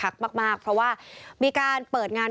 มากเพราะว่ามีการเปิดงาน